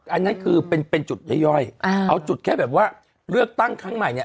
อันนั้นคือเป็นเป็นจุดย่อยเอาจุดแค่แบบว่าเลือกตั้งครั้งใหม่เนี่ย